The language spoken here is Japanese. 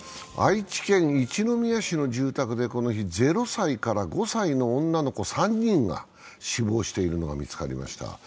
愛知県一宮市の住宅でこの日、０歳から５歳の女の子３人が死亡しているのが見つかりました。